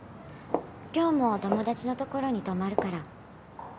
今日も友達のところに泊まるから。